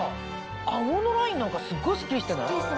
アゴのラインなんかすごいスッキリしてない？